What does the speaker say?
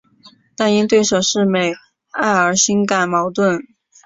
但因对手是美爱而心感矛盾。